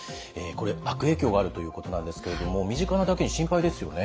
これ悪影響があるということなんですけれども身近なだけに心配ですよね。